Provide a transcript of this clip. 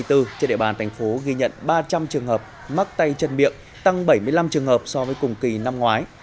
trên địa bàn thành phố ghi nhận ba trăm linh trường hợp mắc tay chân miệng tăng bảy mươi năm trường hợp so với cùng kỳ năm ngoái